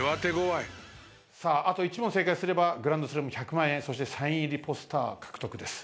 あと１問正解すればグランドスラム１００万円そしてサイン入りポスター獲得です。